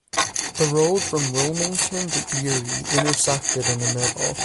The road from Wilmington to Erie intersected in the middle.